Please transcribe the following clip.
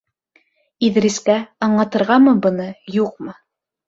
Иҙрискә аңлатырғамы быны, юҡмы?